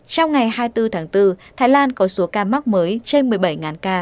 trong ngày hai mươi bốn tháng bốn thái lan có số ca mắc mới trên một mươi bảy ca